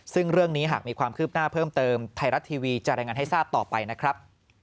ซึ่งเรื่องนี้หากมีความคืบหน้าเพิ่มเติมไทยรัฐทีวีจะรายงานให้ทราบต่อไปนะครับ